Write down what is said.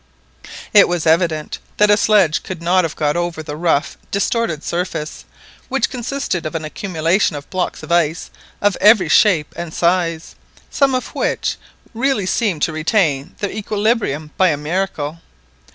It was evident that a sledge could not have got over the rough distorted surface, which consisted of an accumulation of blocks of ice of every shape and size, some of which really seemed to retain their equilibrium by a miracle.